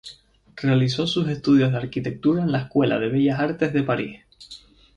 Realizó sus estudios de arquitectura en la Escuela de Bellas Artes de París.